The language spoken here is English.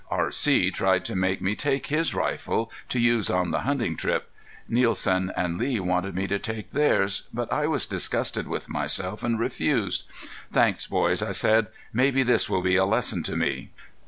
R.C. tried to make me take his rifle to use on the hunting trip; Nielsen and Lee wanted me to take theirs, but I was disgusted with myself and refused. "Thanks, boys," I said. "Maybe this will be a lesson to me."